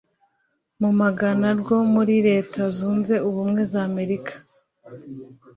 mu magana rwo muri Leta Zunze Ubumwe za amerika